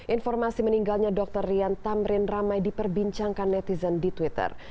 informasi meninggalnya dr rian tamrin ramai diperbincangkan netizen di twitter